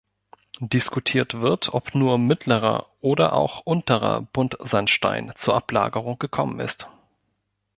Diskutiert wird, ob nur Mittlerer oder auch Unterer Buntsandstein zur Ablagerung gekommen ist.